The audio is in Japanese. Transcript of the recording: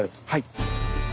はい。